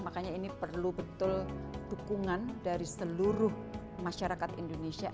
makanya ini perlu betul dukungan dari seluruh masyarakat indonesia